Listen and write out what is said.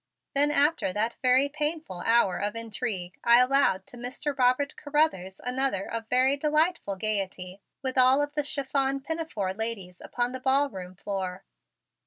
Then after that very painful hour of intrigue I allowed to Mr. Robert Carruthers another of very delightful gayety with all of the "chiffon pinafore" ladies upon the ballroom floor.